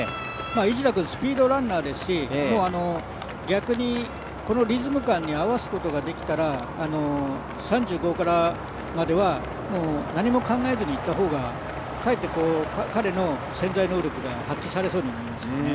市田君はスピードランナーですし、このリズム感に合わせることができたら、３５までは何も考えずにいった方が、かえって彼の潜在能力が発揮されそうですよね。